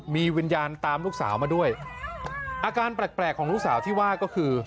มีวิญญาณตามลูกสาวมาด้วยอาการแปลกของลูกสาวที่ว่าก็คือ